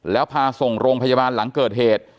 แล้วพาส่งโรงพยาบาลหลังเกิดเหตุ